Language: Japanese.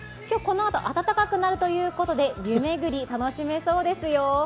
今日このあと、暖かくなるということで湯巡り、楽しめそうですよ。